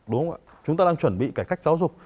đúng không ạ chúng ta đang chuẩn bị cải cách giáo dục